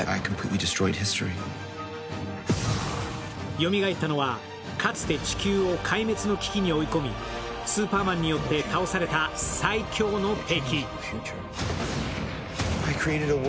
よみがえったのはかつて地球を壊滅の危機に追い込みスーパーマンによって倒された最強の敵。